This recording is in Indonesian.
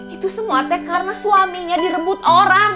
itu semua teh karena suaminya direbut orang